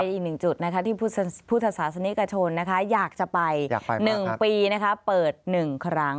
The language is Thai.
อีกหนึ่งจุดที่พุทธศาสนิกชนอยากจะไป๑ปีเปิด๑ครั้ง